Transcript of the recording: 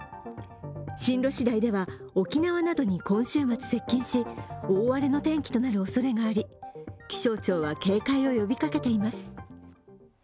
進路しだいでは沖縄などに今週末接近し大荒れの天気となるおそれがあり、気象庁は警戒を呼びかけています。